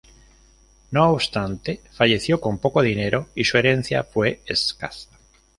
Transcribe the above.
No obstante, falleció con poco dinero y su herencia fue escasa.